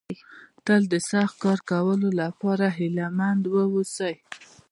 تل د سخت کار کولو لپاره هيله مند ووسئ.